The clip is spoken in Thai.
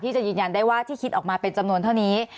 จะยืนยันได้ว่าที่คิดออกมาเป็นจำนวนเท่านี้